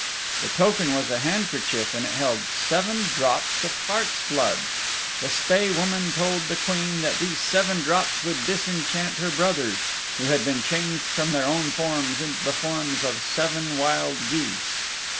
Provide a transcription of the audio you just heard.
The token was a handkerchief and it held seven drops of heart's blood. The Spae Woman told the Queen that these seven drops would disenchant her brothers who had been changed from their own forms into the forms of seven wild geese.